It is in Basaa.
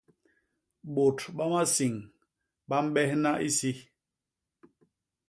Bôt ba masiñ ba mbehna isi.